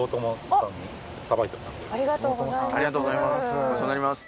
ありがとうございます。